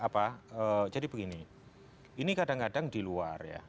apa jadi begini ini kadang kadang di luar ya